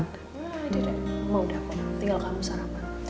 nggak tidak mama udah apa apa tinggal kamu sarapan